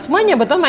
semuanya buat mama ya